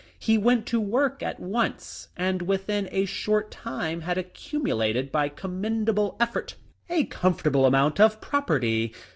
He went to work at once, and within a short time had accu mulated by commendable effort a comfortable amount of property.